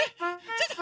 ちょっと！